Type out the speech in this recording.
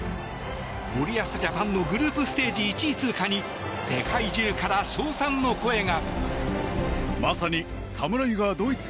森保ジャパンのグループステージ１位通過に世界中から称賛の声が。